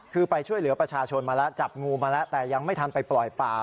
คือไปช่วยเหลือประชาชนมาแล้วจับงูมาแล้วแต่ยังไม่ทันไปปล่อยป่า